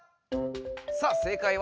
さあ正解は？